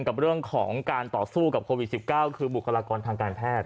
กับเรื่องของการต่อสู้กับโควิด๑๙คือบุคลากรทางการแพทย์